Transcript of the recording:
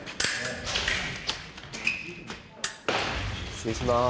失礼します。